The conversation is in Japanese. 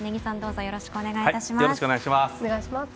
よろしくお願いします。